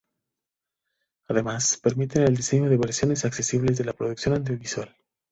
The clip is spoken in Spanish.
Además, permiten el diseño de versiones accesibles de la producción audiovisual.